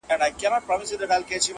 د میني ترانې وایی پخپل لطیفه ژبه,